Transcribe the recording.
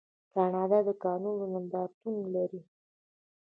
کاناډا د کانونو نندارتون لري.